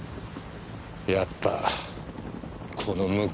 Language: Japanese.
やっぱこの向こうか。